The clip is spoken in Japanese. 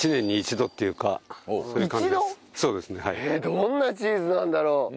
どんなチーズなんだろう？